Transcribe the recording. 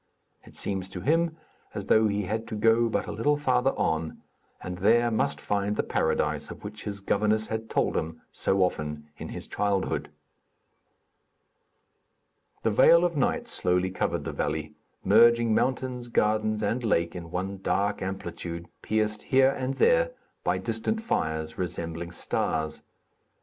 It seems to him as though he had to go but a little farther on and there must find the Paradise of which his governess had told him so often in his childhood. The veil of night slowly covered the valley, merging mountains, gardens and lake in one dark amplitude, pierced here and there by distant fires, resembling stars.